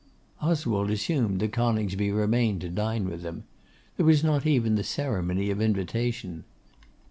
Oswald assumed that Coningsby remained to dine with them. There was not even the ceremony of invitation.